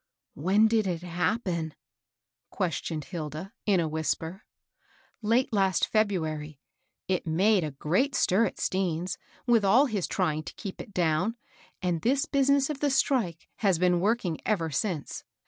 " When did it happen ?" questioned Hilda, in a whisper. " Late last February. It made a great stir at Stean's, with all his trying to keep it down, and this business of the strike has been working ever since.